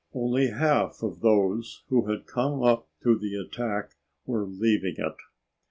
Only half of those who had come up to the attack were leaving it.